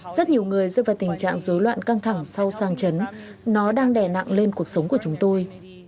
rất nhiều người rơi vào tình trạng dối loạn căng thẳng sau sàng chấn nó đang đè nặng lên cuộc sống của chúng tôi